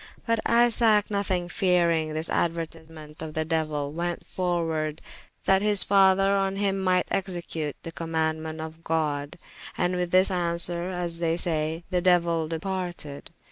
But Isaac nothyng feareyng this aduertisement of the Deuyl, went forward, that his father on hym myght execute the commaundement of God: and with this answere (as they saye) they Deuyell departed.